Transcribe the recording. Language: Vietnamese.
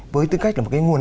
với tư cách là một cái nguồn